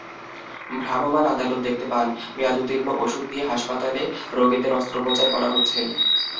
ভ্রাম্যমাণ আদালত দেখতে পান, মেয়াদোত্তীর্ণ ওষুধ দিয়ে হাসপাতালে রোগীদের অস্ত্রোপচার করা হচ্ছে।